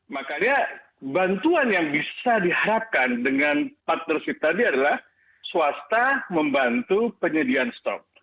makanya bantuan yang bisa diharapkan dengan partnership tadi adalah swasta membantu penyediaan stok